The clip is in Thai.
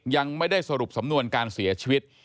ยังไม่ได้สรุปสำนวนการเสียชีวิต